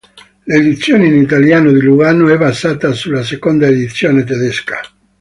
L'edizione in italiano di Lugano è basata sulla seconda edizione tedesca.